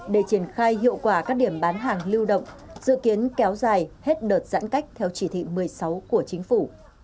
để triển khai hiệu quả các điểm bán hàng lưu động dự kiến kéo dài hết đợt giãn cách theo chỉ thị một mươi sáu của chính phủ